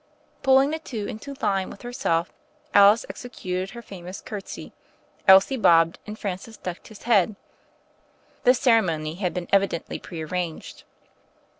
Pulling the two into line with herself Alice executed her famous curtsy, Elsie bobbed, and Francis ducked his head. This ceremony had been evidently pre arranged.